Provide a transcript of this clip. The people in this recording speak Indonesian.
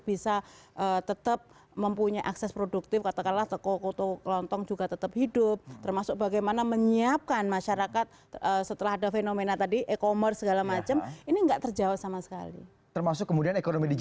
bisa dicek mohon maaf nanti semua